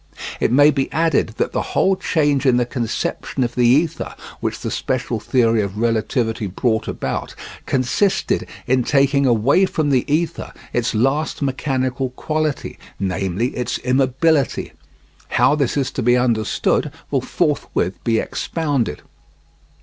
It may be added that the whole change in the conception of the ether which the special theory of relativity brought about, consisted in taking away from the ether its last mechanical quality, namely, its immobility. How this is to be understood will forthwith be expounded.